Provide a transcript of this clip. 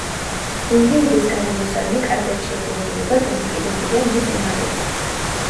ინდივიდის გარემოსადმი კარგად შეგუებულობა დამოკიდებულია მის უნარებზე.